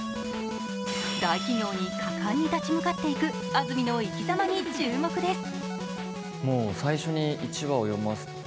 大企業に果敢に立ち向かっていく安積の生き様に注目です。